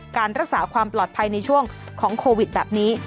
การรักษาความปลอดภัยในช่วงของโควิดแบบนี้